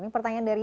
ini pertanyaan dari